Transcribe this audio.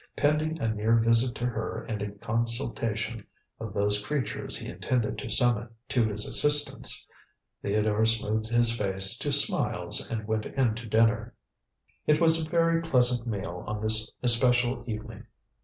Pending a near visit to her and a consultation of those creatures he intended to summon to his assistance, Theodore smoothed his face to smiles and went in to dinner. It was a very pleasant meal on this especial evening.